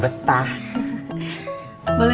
biar ntar neng ani tambah betah